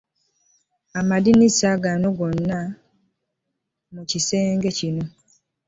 Amadinisa gonna mu kisenge kino .